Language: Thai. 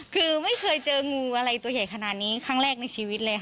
คือไม่เคยเจองูอะไรตัวใหญ่ขนาดนี้ครั้งแรกในชีวิตเลยค่ะ